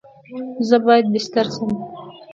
زه باید بیستر سم؟